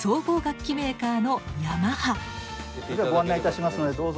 ご案内いたしますのでどうぞ。